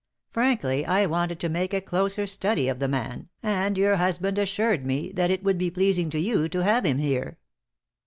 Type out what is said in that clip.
Frankly, I wanted to make a closer study of the man, and your husband assured me that it would be pleasing to you to have him here."